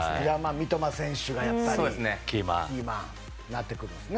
三笘選手がキーマンになってくるんですね。